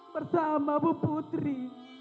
bersama bu putri